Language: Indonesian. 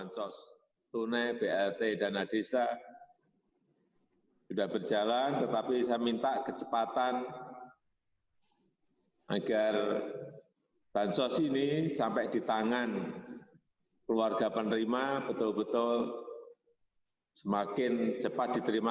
sehingga bisa diterima